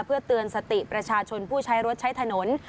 เพื่อเตือนสติประชาชนผู้ใช้รถใช้ถนน